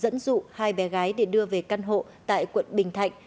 vi đã dẫn dụ hai bé gái để đưa về căn hộ tại quận bình thạnh